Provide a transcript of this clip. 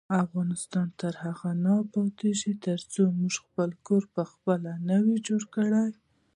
افغانستان تر هغو نه ابادیږي، ترڅو موږ خپل کور پخپله نه وي جوړ کړی.